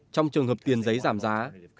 trong trường hợp tiền giấy giảm giá